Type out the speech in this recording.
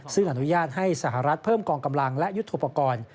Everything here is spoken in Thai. ซึ่งอนุญาตให้สหรัฐเพิ่มกองกำลังและยุทธโปรกรณ์